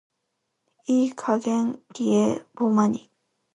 いい加減偽絵保マニ。